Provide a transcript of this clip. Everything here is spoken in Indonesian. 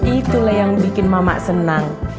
itulah yang bikin mama senang